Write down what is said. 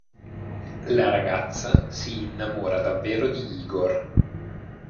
La ragazza si innamora davvero di Igor.